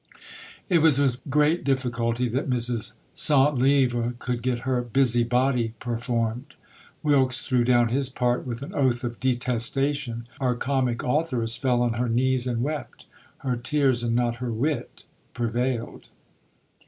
It was with great difficulty that Mrs. Centlivre could get her "Busy Body" performed. Wilks threw down his part with an oath of detestation our comic authoress fell on her knees and wept. Her tears, and not her wit, prevailed.